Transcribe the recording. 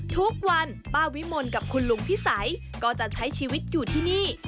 ทุกวันป้าวิมลกับคุณลุงพิสัยก็จะใช้ชีวิตอยู่ที่นี่